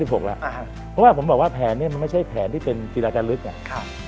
เพราะว่าผมบอกว่าแผนนี้มันไม่ใช่แผนที่เป็นกีฬาการลึกไง